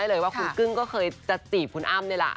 ได้เลยว่าคุณกลื้องเคยก็จะตลอดไปกับคุณอ้ำเนี่ยล่ะ